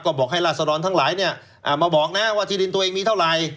ก็บอกให้ราศดรทั้งหลายมาบอกนะว่าที่ดินตัวเองมีเท่าไหร่